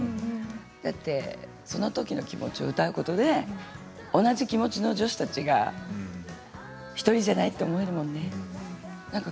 そのときの気持ちを歌うことで同じ気持ちの女子たちが１人じゃないって思えるもんね。